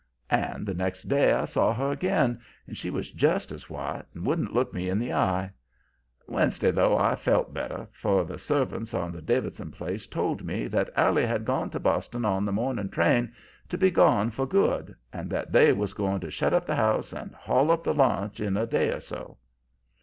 "And the next day I saw her again, and she was just as white and wouldn't look me in the eye. Wednesday, though, I felt better, for the servants on the Davidson place told me that Allie had gone to Boston on the morning train to be gone for good, and that they was going to shut up the house and haul up the launch in a day or so.